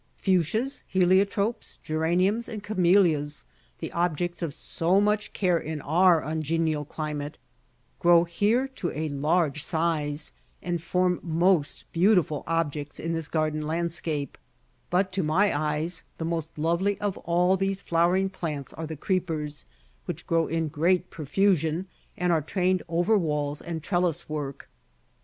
Fuchsias, Heliotropes, Geraniums, and Camellias, the objects of so much care in our ungenial climate, grow here to a large size, and form most beautiful objects in this garden landscape; but to my eyes the most lovely of all these flowering plants are the creepers, which grow in great profusion, and are trained over walls and trellis work.